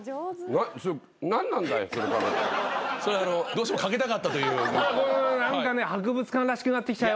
どうしてもかけたかったという。